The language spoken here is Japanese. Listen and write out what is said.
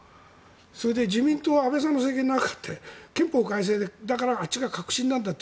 それで自民党は安倍さんの時の憲法改正でだからあっちが革新なんだって。